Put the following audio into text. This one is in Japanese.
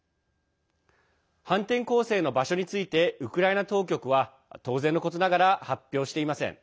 反転攻勢の場所についてウクライナ当局は当然のことながら発表していません。